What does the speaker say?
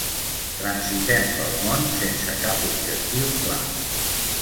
Transitem pel món sense cap objectiu clar